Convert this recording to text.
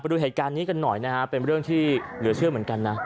ดูเหตุการณ์นี้กันหน่อยนะฮะเป็นเรื่องที่เหลือเชื่อเหมือนกันนะ